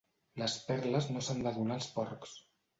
Les perles no s'han de donar als porcs.